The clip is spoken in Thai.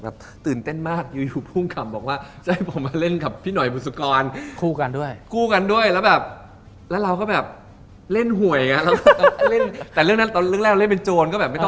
ผมก็แบบอย่างนี้อะแบบตื่นเต้นมาก